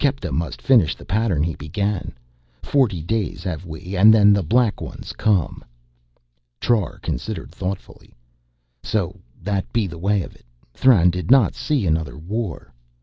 Kepta must finish the pattern he began. Forty days have we and then the Black Ones come." Trar considered thoughtfully. "So that be the way of it. Thran did not see another war...."